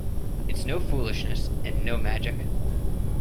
It's no foolishness, and no magic.